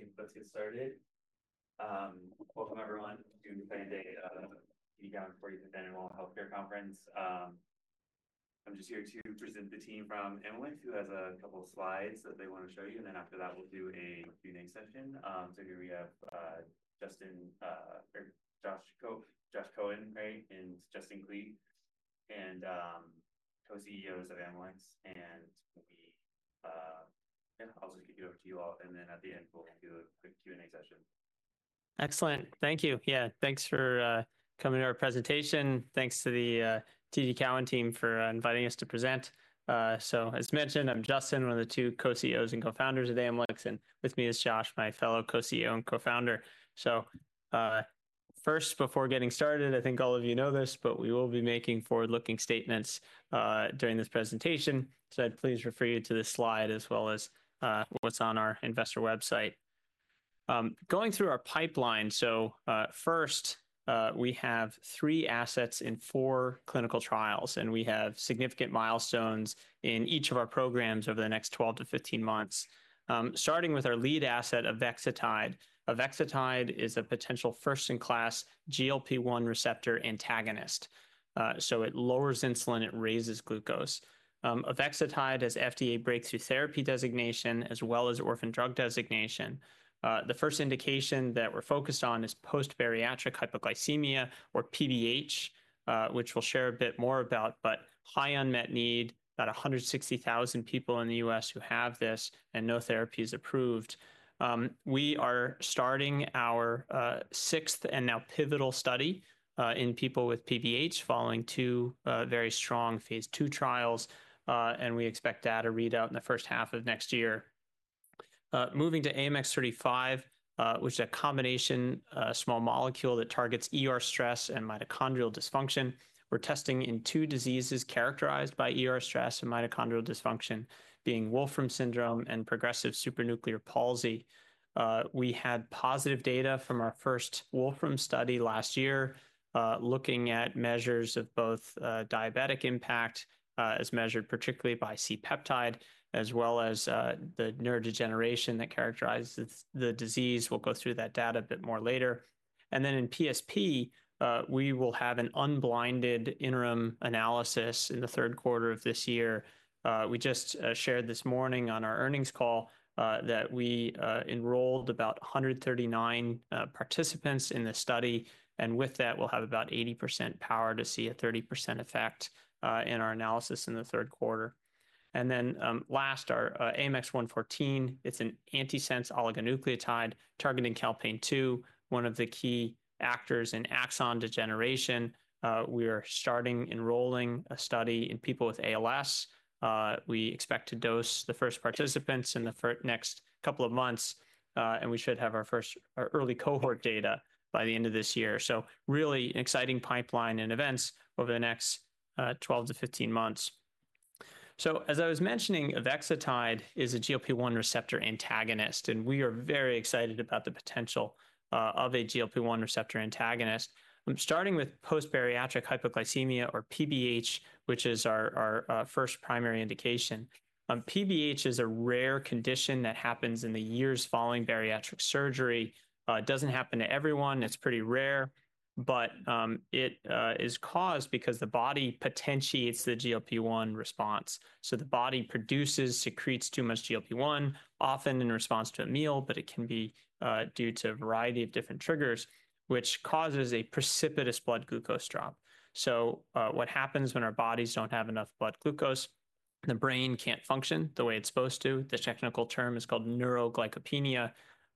I think let's get started. Welcome, everyone. It's June 20th, day of the TD Cowen Healthcare Conference. I'm just here to present the team from Amylyx, who has a couple of slides that they want to show you. After that, we'll do a Q&A session. Here we have Joshua Cohen and Justin Klee, co-CEOs of Amylyx. I'll just get you over to you all. At the end, we'll do a quick Q&A session. Excellent. Thank you. Yeah, thanks for coming to our presentation. Thanks to the TD Cowen team for inviting us to present. As mentioned, I'm Justin, one of the two co-CEOs and co-founders of Amylyx. With me is Josh, my fellow co-CEO and co-founder. First, before getting started, I think all of you know this, but we will be making forward-looking statements during this presentation. I'd please refer you to this slide as well as what's on our investor website. Going through our pipeline, first, we have three assets in four clinical trials, and we have significant milestones in each of our programs over the next 12-15 months. Starting with our lead asset, Avexitide. Avexitide is a potential first-in-class GLP-1 receptor antagonist. It lowers insulin. It raises glucose. Avexitide has FDA breakthrough therapy designation as well as orphan drug designation. The first indication that we're focused on is post-bariatric hypoglycemia, or PBH, which we'll share a bit more about, but high unmet need, about 160,000 people in the U.S. who have this and no therapy is approved. We are starting our sixth and now pivotal study in people with PBH following two very strong Phase 2 trials, and we expect data readout in the first half of next year. Moving to AMX0035, which is a combination small molecule that targets stress and mitochondrial dysfunction. We're testing in two diseases characterized by stress and mitochondrial dysfunction, being Wolfram syndrome and progressive supranuclear palsy. We had positive data from our first Wolfram study last year looking at measures of both diabetic impact as measured particularly by C-peptide as well as the neurodegeneration that characterizes the disease. We'll go through that data a bit more later. In PSP, we will have an unblinded interim analysis in the third quarter of this year. We just shared this morning on our earnings call that we enrolled about 139 participants in the study. With that, we will have about 80% power to see a 30% effect in our analysis in the third quarter. Last, our AMX0114, it's an antisense oligonucleotide targeting calpain-2, one of the key actors in axon degeneration. We are starting enrolling a study in people with ALS. We expect to dose the first participants in the next couple of months, and we should have our first early cohort data by the end of this year. Really exciting pipeline and events over the next 12-15 months. As I was mentioning, Avexitide is a GLP-1 receptor antagonist, and we are very excited about the potential of a GLP-1 receptor antagonist. I'm starting with post-bariatric hypoglycemia, or PBH, which is our first primary indication. PBH is a rare condition that happens in the years following bariatric surgery. It doesn't happen to everyone. It's pretty rare, but it is caused because the body potentiates the GLP-1 response. The body produces, secretes too much GLP-1, often in response to a meal, but it can be due to a variety of different triggers, which causes a precipitous blood glucose drop. What happens when our bodies don't have enough blood glucose, the brain can't function the way it's supposed to. The technical term is called neuroglycopenia.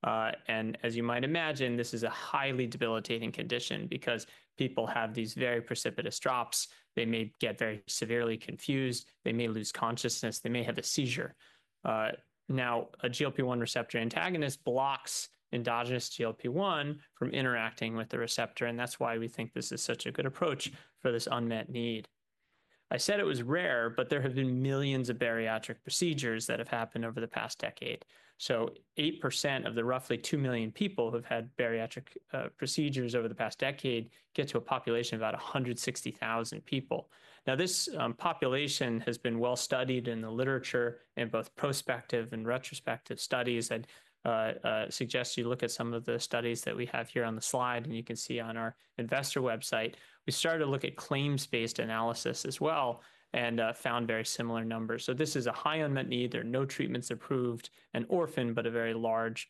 As you might imagine, this is a highly debilitating condition because people have these very precipitous drops. They may get very severely confused. They may lose consciousness. They may have a seizure. Now, a GLP-1 receptor antagonist blocks endogenous GLP-1 from interacting with the receptor, and that's why we think this is such a good approach for this unmet need. I said it was rare, but there have been millions of bariatric procedures that have happened over the past decade. 8% of the roughly 2 million people who have had bariatric procedures over the past decade get to a population of about 160,000 people. This population has been well studied in the literature in both prospective and retrospective studies that suggest you look at some of the studies that we have here on the slide, and you can see on our investor website. We started to look at claims-based analysis as well and found very similar numbers. This is a high unmet need. There are no treatments approved and orphaned, but a very large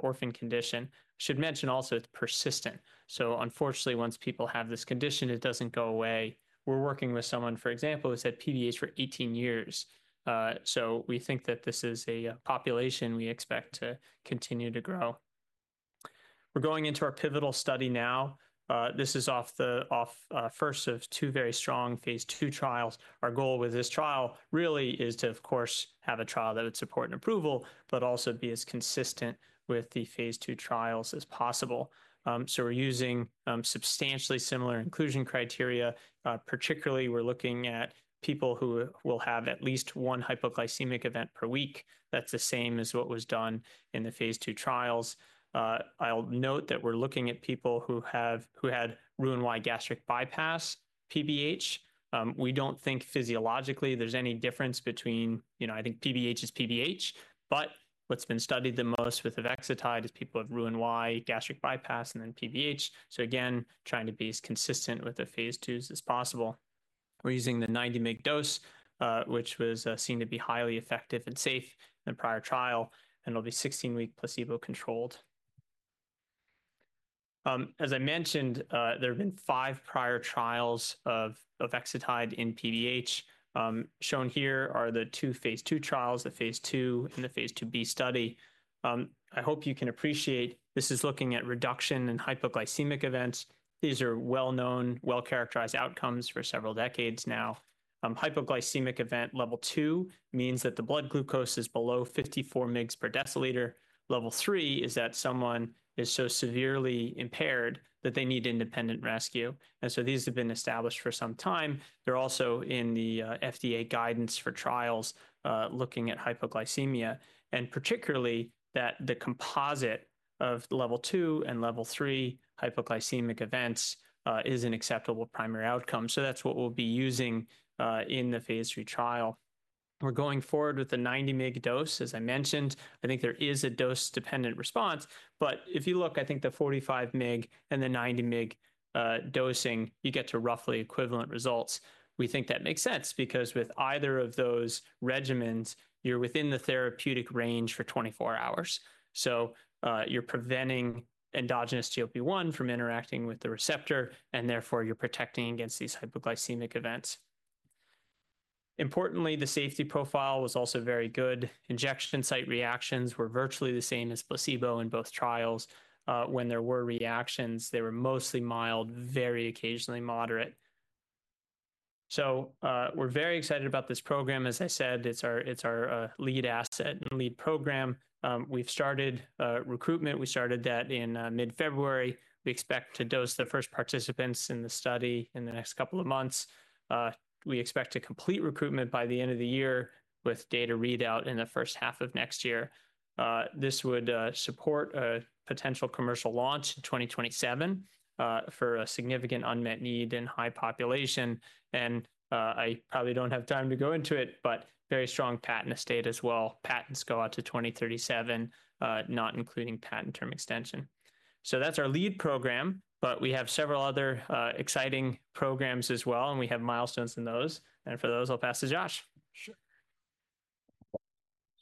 orphan condition. I should mention also it's persistent. Unfortunately, once people have this condition, it doesn't go away. We're working with someone, for example, who's had PBH for 18 years. We think that this is a population we expect to continue to grow. We're going into our pivotal study now. This is off the first of two very strong Phase 2 trials. Our goal with this trial really is to, of course, have a trial that would support an approval, but also be as consistent with the Phase 2 trials as possible. We're using substantially similar inclusion criteria. Particularly, we're looking at people who will have at least one hypoglycemic event per week. That's the same as what was done in the Phase 2 trials. I'll note that we're looking at people who had Roux-en-Y gastric bypass PBH. We don't think physiologically there's any difference between, you know, I think PBH is PBH, but what's been studied the most with Avexitide is people have Roux-en-Y gastric bypass and then PBH. Again, trying to be as consistent with the Phase 2s as possible. We're using the 90 mg dose, which was seen to be highly effective and safe in a prior trial, and it'll be 16-week placebo-controlled. As I mentioned, there have been five prior trials of Avexitide in PBH. Shown here are the two Phase 2 trials, the Phase 2 and the Phase 2b study. I hope you can appreciate this is looking at reduction in hypoglycemic events. These are well-known, well-characterized outcomes for several decades now. Hypoglycemic event level two means that the blood glucose is below 54 mg/dL. Level 3 is that someone is so severely impaired that they need independent rescue. These have been established for some time. They're also in the FDA guidance for trials looking at hypoglycemia, particularly that the composite of level 2 and level 3 hypoglycemic events is an acceptable primary outcome. That's what we'll be using in the Phase 3 trial. We're going forward with the 90 mg dose. As I mentioned, I think there is a dose-dependent response, but if you look, I think the 45 mg and the 90 mg dosing, you get to roughly equivalent results. We think that makes sense because with either of those regimens, you're within the therapeutic range for 24 hours. You're preventing endogenous GLP-1 from interacting with the receptor, and therefore you're protecting against these hypoglycemic events. Importantly, the safety profile was also very good. Injection site reactions were virtually the same as placebo in both trials. When there were reactions, they were mostly mild, very occasionally moderate. We are very excited about this program. As I said, it is our lead asset and lead program. We have started recruitment. We started that in mid-February. We expect to dose the first participants in the study in the next couple of months. We expect to complete recruitment by the end of the year with data readout in the first half of next year. This would support a potential commercial launch in 2027 for a significant unmet need in high population. I probably do not have time to go into it, but very strong patent estate as well. Patents go out to 2037, not including patent term extension. That is our lead program, but we have several other exciting programs as well, and we have milestones in those. For those, I'll pass to Josh. Sure.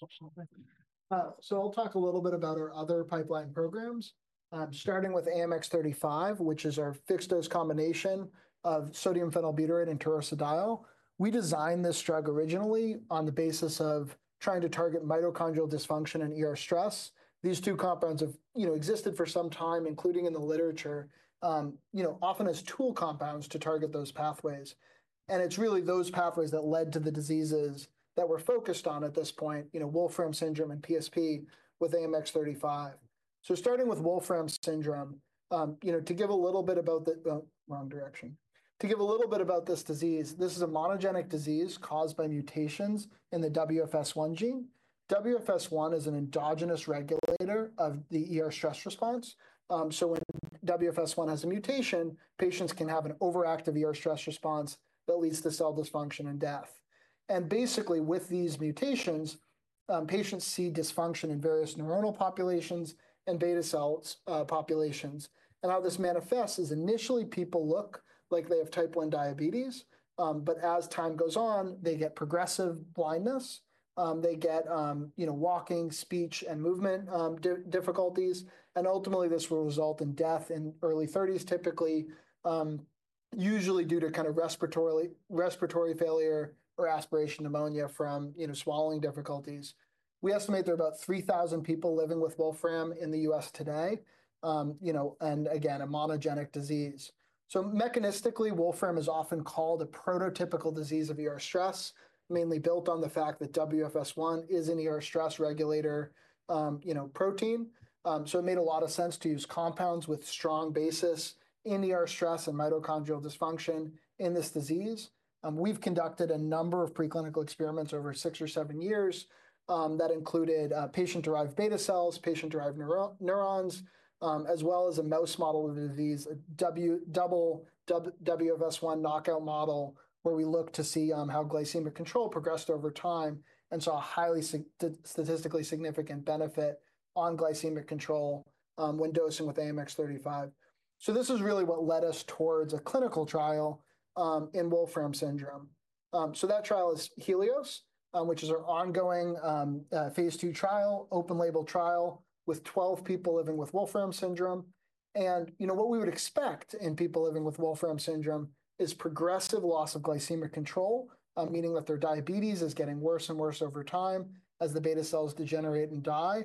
I'll talk a little bit about our other pipeline programs, starting with AMX0035, which is our fixed dose combination of sodium phenylbutyrate and taurursodiol. We designed this drug originally on the basis of trying to target mitochondrial dysfunction and stress. These two compounds have existed for some time, including in the literature, often as tool compounds to target those pathways. It's really those pathways that led to the diseases that we're focused on at this point, Wolfram syndrome and PSP with AMX0035. Starting with Wolfram syndrome, to give a little bit about the wrong direction, to give a little bit about this disease, this is a monogenic disease caused by mutations in the WFS1 gene. WFS1 is an endogenous regulator of the stress response. When WFS1 has a mutation, patients can have an overactive stress response that leads to cell dysfunction and death. Basically, with these mutations, patients see dysfunction in various neuronal populations and beta cell populations. How this manifests is initially people look like they have Type 1 diabetes, but as time goes on, they get progressive blindness. They get walking, speech, and movement difficulties. Ultimately, this will result in death in early 30s, typically usually due to kind of respiratory failure or aspiration pneumonia from swallowing difficulties. We estimate there are about 3,000 people living with Wolfram in the US today. Again, a monogenic disease. Mechanistically, Wolfram is often called a prototypical disease of stress, mainly built on the fact that WFS1 is a stress regulator protein. It made a lot of sense to use compounds with strong basis in stress and mitochondrial dysfunction in this disease. We've conducted a number of preclinical experiments over six or seven years that included patient-derived beta cells, patient-derived neurons, as well as a mouse model of the disease, a double WFS1 knockout model where we looked to see how glycemic control progressed over time and saw a highly statistically significant benefit on glycemic control when dosing with AMX0035. This is really what led us towards a clinical trial in Wolfram syndrome. That trial is HELIOS, which is our ongoing Phase 2 trial, open-label trial with 12 people living with Wolfram syndrome. What we would expect in people living with Wolfram syndrome is progressive loss of glycemic control, meaning that their diabetes is getting worse and worse over time as the beta cells degenerate and die.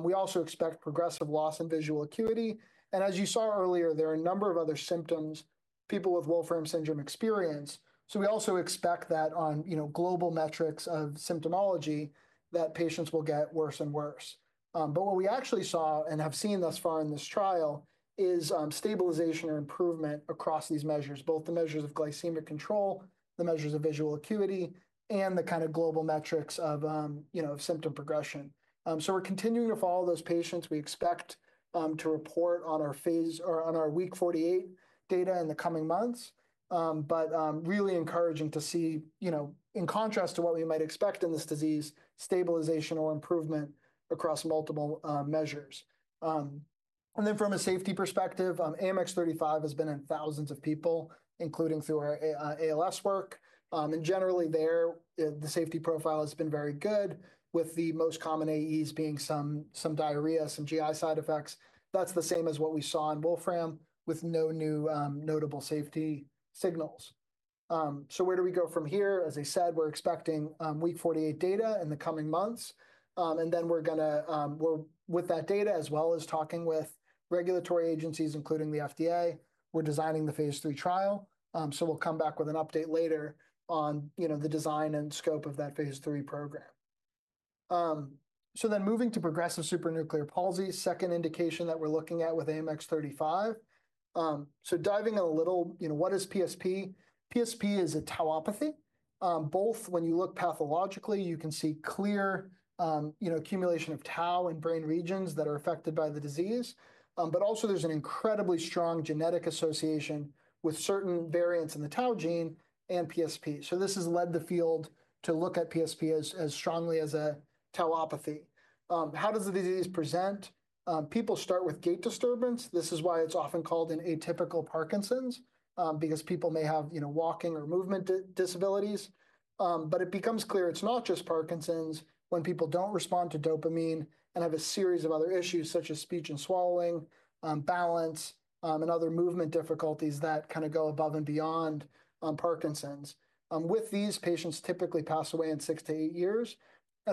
We also expect progressive loss in visual acuity. As you saw earlier, there are a number of other symptoms people with Wolfram syndrome experience. We also expect that on global metrics of symptomology that patients will get worse and worse. What we actually saw and have seen thus far in this trial is stabilization or improvement across these measures, both the measures of glycemic control, the measures of visual acuity, and the kind of global metrics of symptom progression. We are continuing to follow those patients. We expect to report on our Phase or on our week 48 data in the coming months, but really encouraging to see, in contrast to what we might expect in this disease, stabilization or improvement across multiple measures. From a safety perspective, AMX0035 has been in thousands of people, including through our ALS work. Generally there, the safety profile has been very good, with the most common AEs being some diarrhea, some GI side effects. That is the same as what we saw in Wolfram with no new notable safety signals. Where do we go from here? As I said, we are expecting week 48 data in the coming months. We are going to, with that data, as well as talking with regulatory agencies, including the FDA, design the Phase 3 trial. We will come back with an update later on the design and scope of that Phase 3 program. Moving to progressive supranuclear palsy, the second indication that we are looking at with AMX0035. Diving in a little, what is PSP? PSP is a tauopathy. Both when you look pathologically, you can see clear accumulation of tau in brain regions that are affected by the disease, but also there's an incredibly strong genetic association with certain variants in the tau gene and PSP. This has led the field to look at PSP as strongly as a tauopathy. How does the disease present? People start with gait disturbance. This is why it's often called an atypical Parkinson's, because people may have walking or movement disabilities. It becomes clear it's not just Parkinson's when people don't respond to dopamine and have a series of other issues such as speech and swallowing, balance, and other movement difficulties that kind of go above and beyond Parkinson's. With these, patients typically pass away in six to eight years.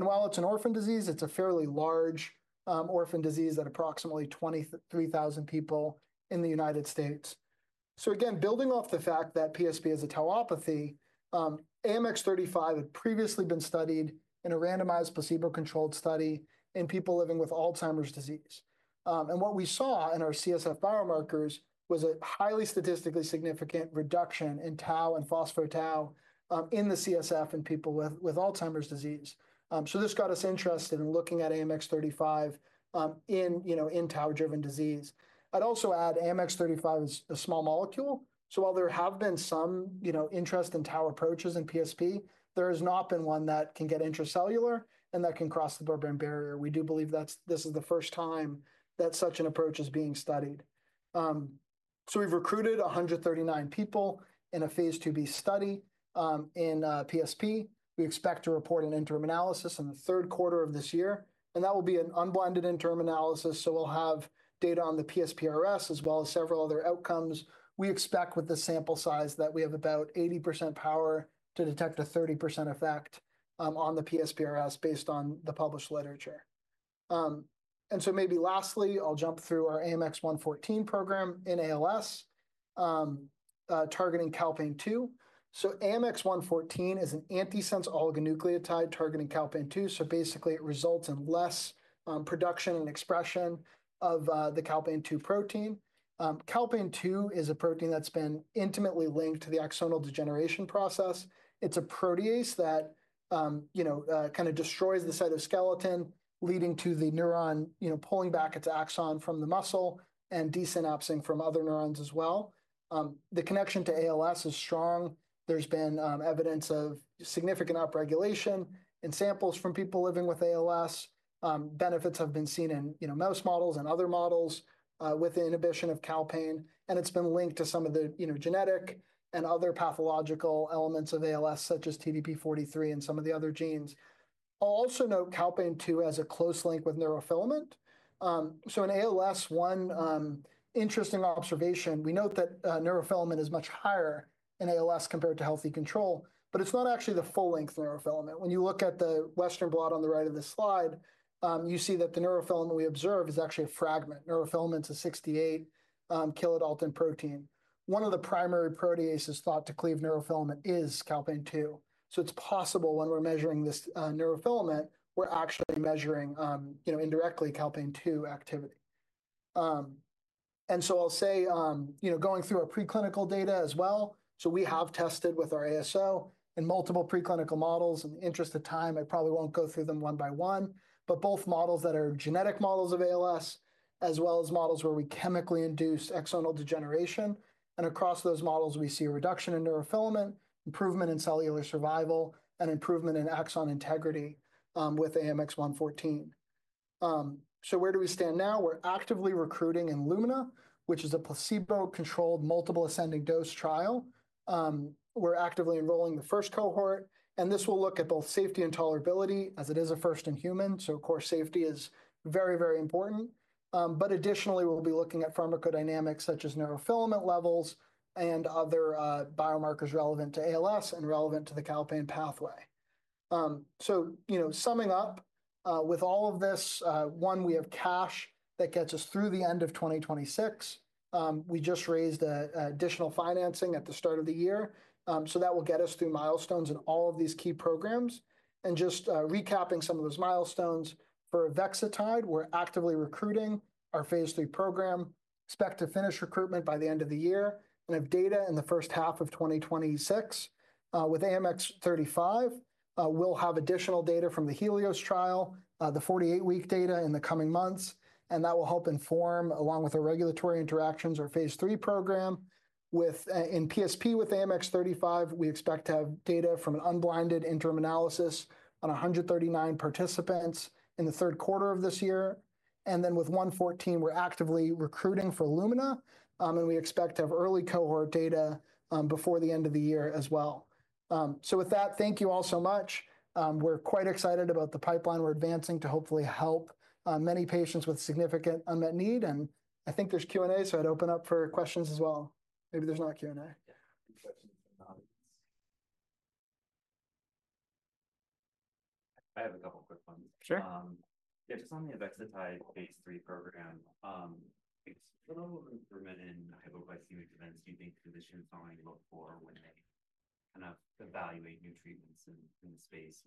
While it's an orphan disease, it's a fairly large orphan disease at approximately 23,000 people in the United States. Again, building off the fact that PSP is a tauopathy, AMX0035 had previously been studied in a randomized placebo-controlled study in people living with Alzheimer's disease. What we saw in our CSF biomarkers was a highly statistically significant reduction in tau and phospho-tau in the CSF in people with Alzheimer's disease. This got us interested in looking at AMX0035 in tau-driven disease. I'd also add AMX0035 is a small molecule. While there has been some interest in tau approaches in PSP, there has not been one that can get intracellular and that can cross the blood-brain barrier. We do believe this is the first time that such an approach is being studied. We've recruited 139 people in a Phase 2b study in PSP. We expect to report an interim analysis in the third quarter of this year. That will be an unblinded interim analysis. We'll have data on the PSPRS as well as several other outcomes. We expect with the sample size that we have about 80% power to detect a 30% effect on the PSPRS based on the published literature. Maybe lastly, I'll jump through our AMX0114 program in ALS targeting calpain-2. AMX0114 is an antisense oligonucleotide targeting calpain-2. Basically, it results in less production and expression of the calpain-2 protein. Calpain-2 is a protein that's been intimately linked to the axonal degeneration process. It's a protease that kind of destroys the cytoskeleton, leading to the neuron pulling back its axon from the muscle and desynapsing from other neurons as well. The connection to ALS is strong. There's been evidence of significant upregulation in samples from people living with ALS. Benefits have been seen in mouse models and other models with the inhibition of calpain. And it's been linked to some of the genetic and other pathological elements of ALS, such as TDP-43 and some of the other genes. I'll also note calpain-2 has a close link with neurofilament. In ALS, one interesting observation, we note that neurofilament is much higher in ALS compared to healthy control, but it's not actually the full-length neurofilament. When you look at the Western blot on the right of the slide, you see that the neurofilament we observe is actually a fragment. Neurofilament is a 68 kilodalton protein. One of the primary proteases thought to cleave neurofilament is calpain-2. It's possible when we're measuring this neurofilament, we're actually measuring indirectly calpain-2 activity. I'll say going through our preclinical data as well. We have tested with our ASO in multiple preclinical models. In the interest of time, I probably won't go through them one by one, but both models that are genetic models of ALS, as well as models where we chemically induce axonal degeneration. Across those models, we see a reduction in neurofilament, improvement in cellular survival, and improvement in axon integrity with AMX0114. Where do we stand now? We're actively recruiting in LUMINA, which is a placebo-controlled multiple ascending dose trial. We're actively enrolling the first cohort. This will look at both safety and tolerability as it is a first in humans. Of course, safety is very, very important. Additionally, we'll be looking at pharmacodynamics such as neurofilament levels and other biomarkers relevant to ALS and relevant to the calpain pathway. Summing up with all of this, one, we have cash that gets us through the end of 2026. We just raised additional financing at the start of the year. That will get us through milestones in all of these key programs. Just recapping some of those milestones for Avexitide, we're actively recruiting our Phase 3 program. Expect to finish recruitment by the end of the year and have data in the first half of 2026. With AMX0035, we'll have additional data from the HELIOS trial, the 48-week data in the coming months. That will help inform, along with our regulatory interactions, our Phase 3 program. In PSP with AMX0035, we expect to have data from an unblinded interim analysis on 139 participants in the third quarter of this year. With AMX0114, we're actively recruiting for LUMINA. We expect to have early cohort data before the end of the year as well. Thank you all so much. We're quite excited about the pipeline we're advancing to hopefully help many patients with significant unmet need. I think there's Q&A, so I'd open up for questions as well. Maybe there's not Q&A. Questions from the audience. I have a couple of quick ones. Sure. Yeah, just on the Avexitide phase 3 program, what level of improvement in hypoglycemic events do you think physicians are looking for when they kind of evaluate new treatments in the space?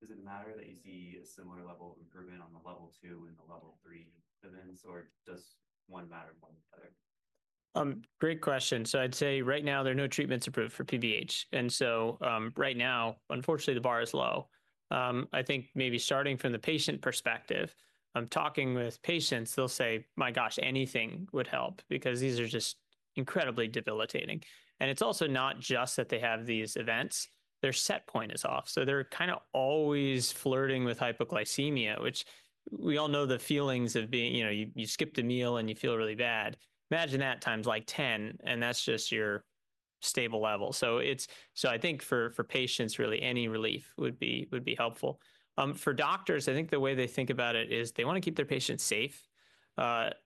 Does it matter that you see a similar level of improvement on the level two and the level 3 events, or does one matter more than the other? Great question. I'd say right now, there are no treatments approved for PBH. Right now, unfortunately, the bar is low. I think maybe starting from the patient perspective, talking with patients, they'll say, "My gosh, anything would help," because these are just incredibly debilitating. It's also not just that they have these events. Their set point is off. They're kind of always flirting with hypoglycemia, which we all know the feelings of being you skipped a meal and you feel really bad. Imagine that times like 10, and that's just your stable level. I think for patients, really, any relief would be helpful. For doctors, I think the way they think about it is they want to keep their patients safe.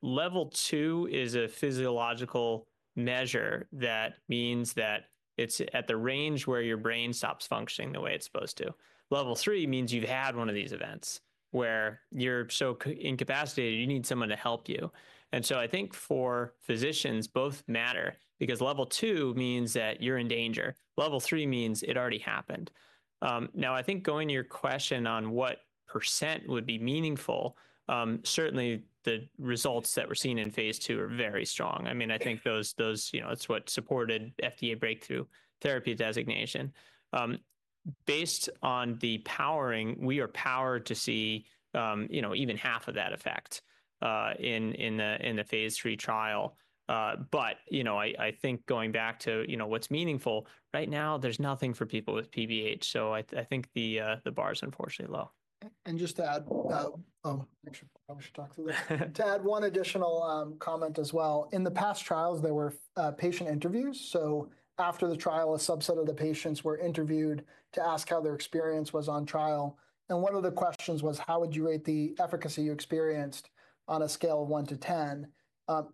Level two is a physiological measure that means that it's at the range where your brain stops functioning the way it's supposed to. Level 3 means you've had one of these events where you're so incapacitated, you need someone to help you. I think for physicians, both matter because level two means that you're in danger. Level 3 means it already happened. I think going to your question on what % would be meaningful, certainly the results that we're seeing in Phase 2 are very strong. I mean, I think that's what supported FDA breakthrough therapy designation. Based on the powering, we are powered to see even half of that effect in the Phase 3 trial. I think going back to what's meaningful, right now, there's nothing for people with PBH. I think the bar is unfortunately low. Just to add, I should talk to the list. To add one additional comment as well. In the past trials, there were patient interviews. After the trial, a subset of the patients were interviewed to ask how their experience was on trial. One of the questions was, "How would you rate the efficacy you experienced on a scale of 1 to 10?"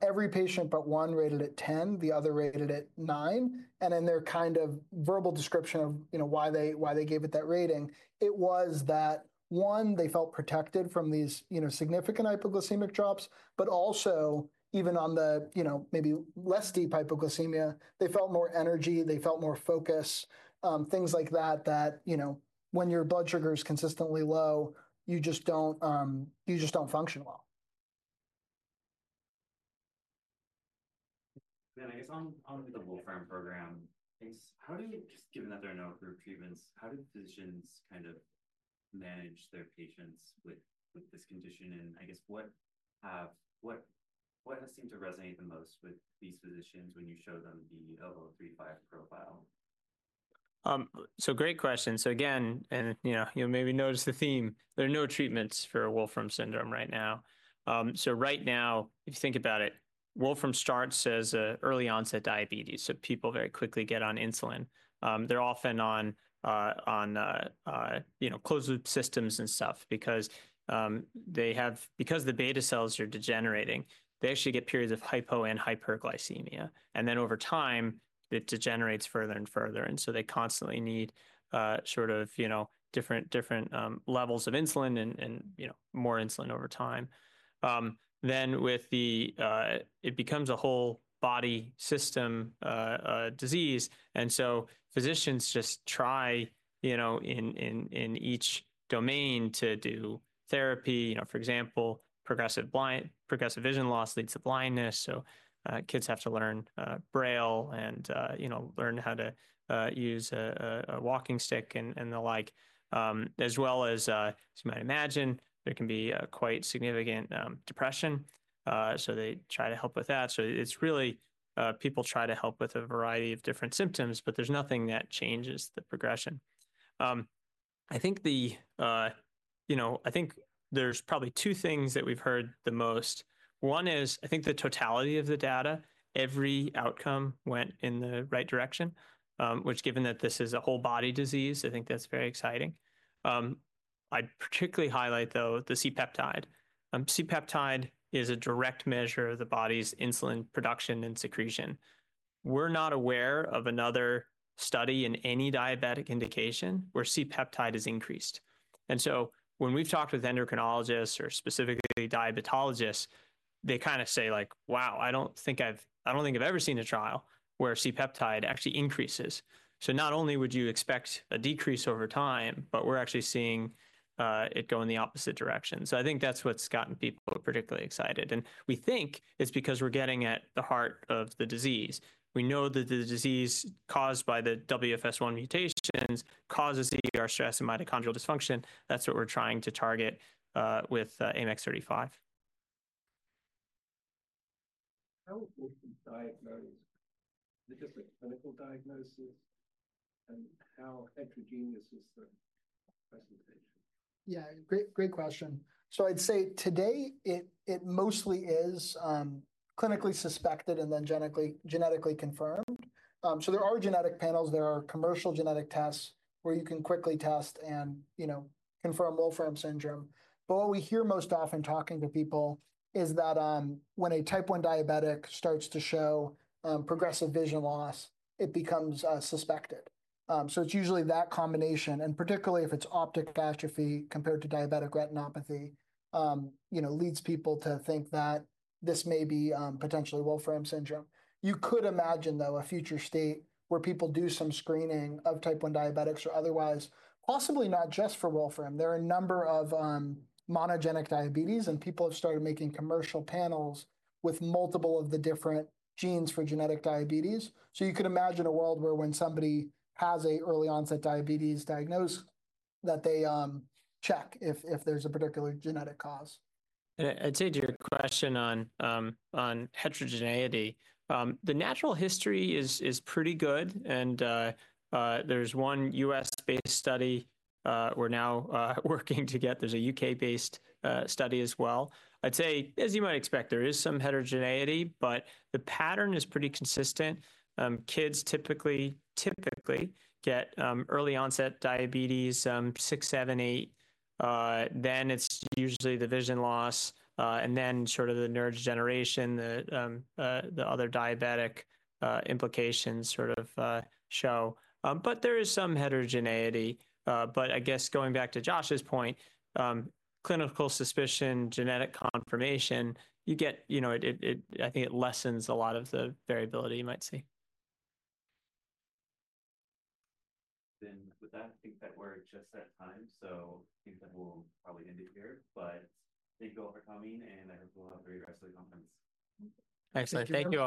Every patient but one rated it 10. The other rated it 9. In their kind of verbal description of why they gave it that rating, it was that, one, they felt protected from these significant hypoglycemic drops, but also, even on the maybe less deep hypoglycemia, they felt more energy. They felt more focus, things like that, that when your blood sugar is consistently low, you just do not function well. I guess on the Wolfram program, just given that there are no approved treatments, how do physicians kind of manage their patients with this condition? I guess what has seemed to resonate the most with these physicians when you show them the AMX0035 profile? Great question. Again, and you'll maybe notice the theme, there are no treatments for Wolfram syndrome right now. Right now, if you think about it, Wolfram starts as an early onset diabetes. People very quickly get on insulin. They're often on closed-loop systems and stuff because the beta cells are degenerating. They actually get periods of hypo and hyperglycemia. Over time, it degenerates further and further. They constantly need sort of different levels of insulin and more insulin over time. With the, it becomes a whole body system disease. Physicians just try in each domain to do therapy. For example, progressive vision loss leads to blindness. Kids have to learn Braille and learn how to use a walking stick and the like. As well as, as you might imagine, there can be quite significant depression. They try to help with that. It's really people try to help with a variety of different symptoms, but there's nothing that changes the progression. I think there's probably two things that we've heard the most. One is, I think the totality of the data, every outcome went in the right direction, which given that this is a whole body disease, I think that's very exciting. I'd particularly highlight, though, the C-peptide. C-peptide is a direct measure of the body's insulin production and secretion. We're not aware of another study in any diabetic indication where C-peptide is increased. When we've talked with endocrinologists or specifically diabetologists, they kind of say, "Wow, I don't think I've ever seen a trial where C-peptide actually increases." Not only would you expect a decrease over time, but we're actually seeing it go in the opposite direction. I think that's what's gotten people particularly excited. We think it's because we're getting at the heart of the disease. We know that the disease caused by the WFS1 mutations causes the stress and mitochondrial dysfunction. That's what we're trying to target with AMX0035. How important is diagnosis? Is it just a clinical diagnosis? And how heterogeneous is the presentation? Yeah, great question. I'd say today, it mostly is clinically suspected and then genetically confirmed. There are genetic panels. There are commercial genetic tests where you can quickly test and confirm Wolfram syndrome. What we hear most often talking to people is that when a Type 1 diabetic starts to show progressive vision loss, it becomes suspected. It's usually that combination. Particularly if it's optic atrophy compared to diabetic retinopathy, it leads people to think that this may be potentially Wolfram syndrome. You could imagine, though, a future state where people do some screening of Type 1 diabetics or otherwise, possibly not just for Wolfram. There are a number of monogenic diabetes, and people have started making commercial panels with multiple of the different genes for genetic diabetes. You could imagine a world where when somebody has an early onset diabetes diagnosed, that they check if there's a particular genetic cause. I'd say to your question on heterogeneity, the natural history is pretty good. There's one U.S.-based study we're now working to get. There's a U.K.-based study as well. I'd say, as you might expect, there is some heterogeneity, but the pattern is pretty consistent. Kids typically get early onset diabetes, 6, 7, 8. It is usually the vision loss and then sort of the neurodegeneration, the other diabetic implications sort of show. There is some heterogeneity. I guess going back to Josh's point, clinical suspicion, genetic confirmation, you get, I think it lessens a lot of the variability you might see. I think that we're just at time. I think that we'll probably end it here. Thank you all for coming, and I hope you all have a great rest of the conference. Excellent. Thank you.